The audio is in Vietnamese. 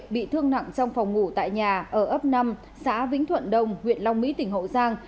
bị thương nặng trong phòng ngủ tại nhà ở ấp năm xã vĩnh thuận đông huyện long mỹ tỉnh hậu giang